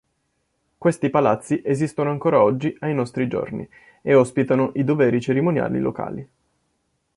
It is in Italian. Questi palazzi esistono ancora oggi ai nostri giorni, e ospitano i doveri cerimoniali locali.